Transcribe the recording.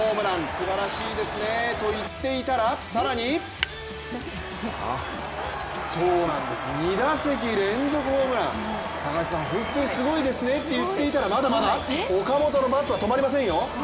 すばらしいですね、と言っていたら更にそうなんです、２打席連続ホームラン、本当にすごいですねといっていたらまだまだ、岡本のバットは止まりませんよ。